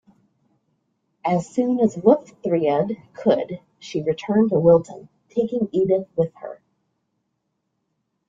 As soon as Wulfthryth could, she returned to Wilton, taking Edith with her.